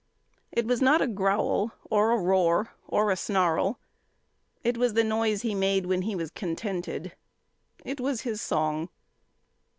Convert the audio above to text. It was not a growl or a roar or a snarl; it was the noise he made when he was contented. It was his song.